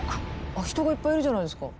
人がいっぱいいるじゃないですか。